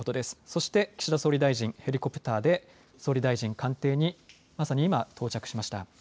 そして岸田総理大臣、ヘリコプターで総理大臣官邸にまさに今、到着しました。